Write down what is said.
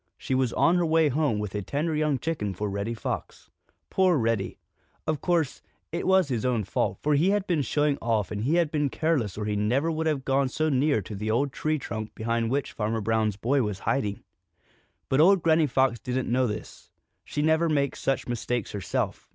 She was on her way home with a tender young chicken for Reddy Fox. Poor Reddy! Of course, it was his own fault, for he had been showing off and he had been careless or he never would have gone so near to the old tree trunk behind which Farmer Brown's boy was hiding. But old Granny Fox didn't know this. She never makes such mistakes herself.